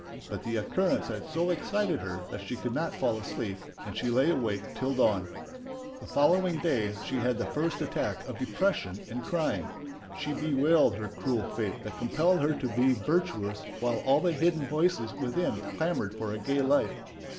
But the occurrence had so excited her that she could not fall asleep and she lay awake till dawn. The following day she had the first attack of depression and crying. She bewailed her cruel fate that compelled her to be virtuous while all the hidden voices within clamoured for a gay life.